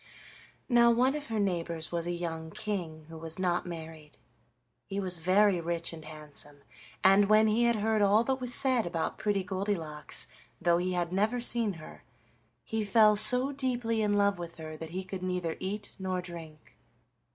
Now one of her neighbors was a young king who was not married. He was very rich and handsome, and when he heard all that was said about Pretty Goldilocks, though he had never seen her, he fell so deeply in love with her that he could neither eat nor drink.